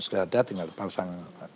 sudah ada tinggal pasang